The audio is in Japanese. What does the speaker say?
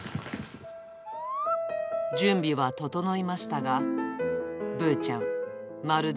準備は整いましたが、ぶーちゃん、おいで。